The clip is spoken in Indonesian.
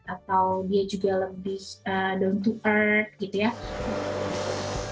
atau dia juga lebih down to earth gitu ya